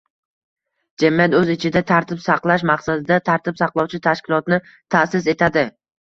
Jamiyat o‘z ichida tartib saqlash maqsadida... tartib saqlovchi tashkilotni taʼsis etadi